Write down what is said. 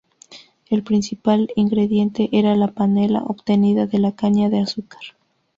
El principal ingrediente, era la panela obtenida de la caña de azúcar.